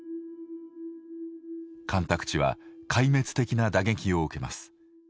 干拓地は壊滅的な打撃を受けます。